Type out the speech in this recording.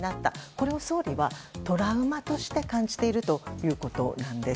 これを総理はトラウマとして感じているということなんです。